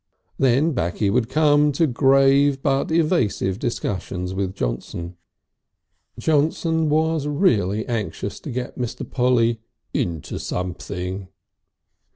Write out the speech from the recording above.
Then back he would come to grave but evasive discussions with Johnson. Johnson was really anxious to get Mr. Polly "into something."